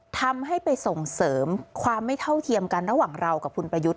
ทำให้ไปส่งเสริมความไม่เท่าเทียมกันระหว่างเรากับคุณประยุทธ์